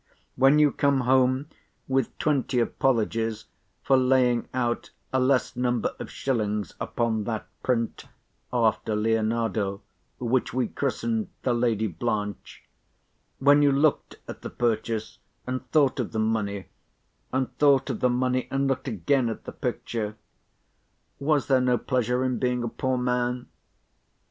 "When you come home with twenty apologies for laying out a less number of shillings upon that print after Lionardo, which we christened the 'Lady Blanch;' when you looked at the purchase, and thought of the money—and thought of the money, and looked again at the picture—was there no pleasure in being a poor man?